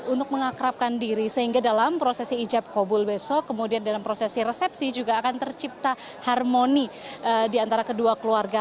untuk mengakrabkan diri sehingga dalam prosesi ijab kobul besok kemudian dalam prosesi resepsi juga akan tercipta harmoni di antara kedua keluarga